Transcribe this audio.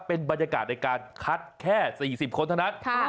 เป็นบรรยากาศในการคัดแค่๔๐คนเท่านั้น